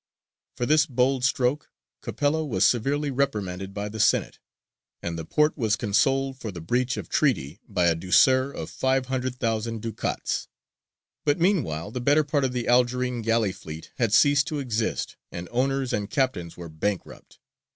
For this bold stroke Capello was severely reprimanded by the Senate, and the Porte was consoled for the breach of treaty by a douceur of five hundred thousand ducats: but meanwhile the better part of the Algerine galley fleet had ceased to exist, and owners and captains were bankrupt.